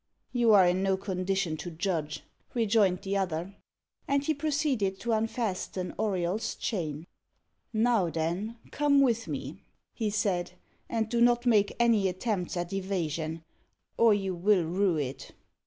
"You are in no condition to judge," rejoined the other. And he proceeded to unfasten Auriol's chain. "Now then, come with me," he said, "and do not make any attempt at evasion, or you will rue it."